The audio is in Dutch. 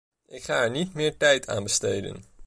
Ik ga er niet meer tijd aan besteden.